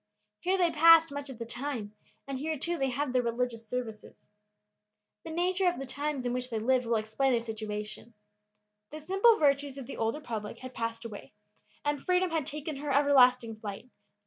Here they passed much of the time, and here, too, they had their religious services. The nature of the times in which they lived will explain their situation. The simple virtues of the old republic had passed away, and freedom had taken her everlasting flight.